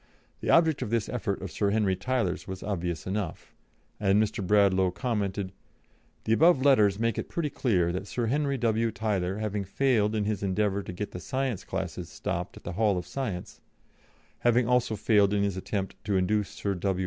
The object of this effort of Sir Henry Tyler's was obvious enough, and Mr. Bradlaugh commented: "The above letters make it pretty clear that Sir Henry W. Tyler having failed in his endeavour to get the science classes stopped at the Hall of Science, having also failed in his attempt to induce Sir W.